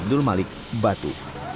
abdul malik batu